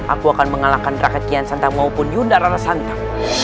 aku akan mengalahkan rakyat kian santam maupun yunda rara santam